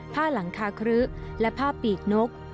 หลังคาครึและผ้าปีกนก